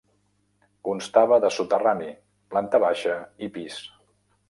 Constava de soterrani, planta baixa i pis.